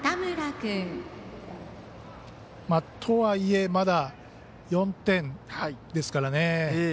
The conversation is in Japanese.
とはいえ、まだ４点ですからね。